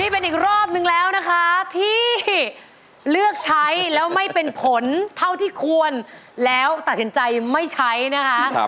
เป็นอีกรอบนึงแล้วนะคะที่เลือกใช้แล้วไม่เป็นผลเท่าที่ควรแล้วตัดสินใจไม่ใช้นะคะ